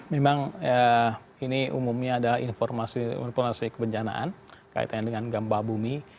memang ini umumnya adalah informasi informasi kebencanaan kaitannya dengan gampah bumi